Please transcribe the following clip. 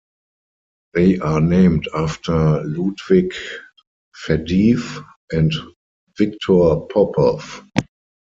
They are named after Ludvig Faddeev and Victor Popov.